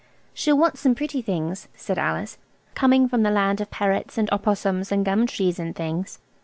"She'll want some pretty things," said Alice, "coming from the land of parrots and opossums and gum trees and things."